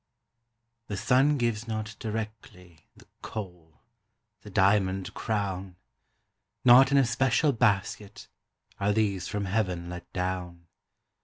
The sun gives not directly The coal, the diamond crown; Not in a special basket Are these from Heaven let down.